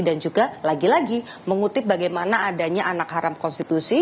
dan juga lagi lagi mengutip bagaimana adanya anak haram konstitusi